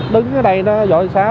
đứng ở đây nó dội xa